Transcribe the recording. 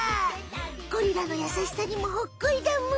ゴリラのやさしさにもほっこりだむ！